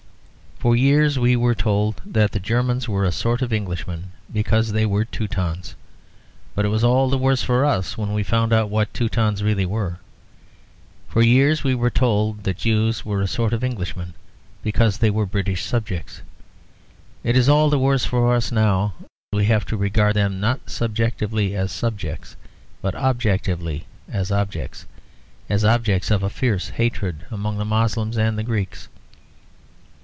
For years we were told that the Germans were a sort of Englishman because they were Teutons; but it was all the worse for us when we found out what Teutons really were. For years we were told that Jews were a sort of Englishman because they were British subjects. It is all the worse for us now we have to regard them, not subjectively as subjects, but objectively as objects; as objects of a fierce hatred among the Moslems and the Greeks.